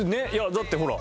だってほら。